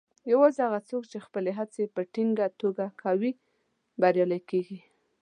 یوازې هغه څوک چې خپلې هڅې په ټینګه توګه کوي، بریالي کیږي.